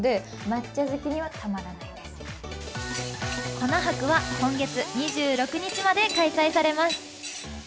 粉博は今月２６日まで開催されます。